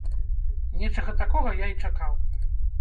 Нечага такога я і чакаў.